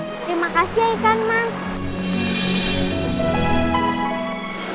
terima kasih ya ikan mas